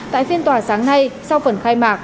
tại phiên tòa sáng nay sau phần khai mạc